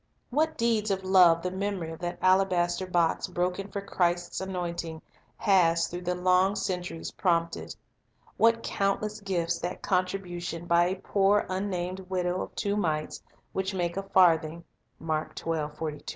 What deeds of love the memory of that alabaster box broken for Christ's anointing has through the long centuries prompted! What countless gifts that contri bution, by a poor unnamed widow, of "two mites, which make a farthing,"" has brought to the Saviour's cause!